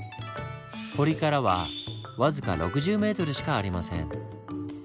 堀からは僅か６０ｍしかありません。